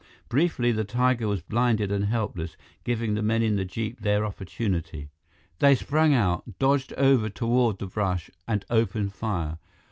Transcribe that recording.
Briefly, the tiger was blinded and helpless, giving the men in the jeep their opportunity. They sprang out, dodged over toward the brush, and opened fire.